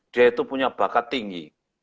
dia itu punya bakat tinggi